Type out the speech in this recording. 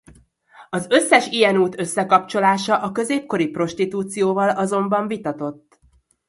Az összes ilyen út összekapcsolása a középkori prostitúcióval azonban vitatott.